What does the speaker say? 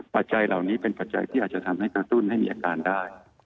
ปัจจัยเหล่านี้เป็นปัจจัยที่อาจจะทำให้กระตุ้นให้มีอาการได้